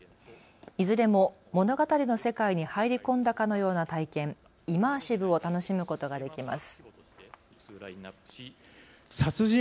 いずれも物語の世界に入り込んだかのような体験、イマーシブを楽しむことができます。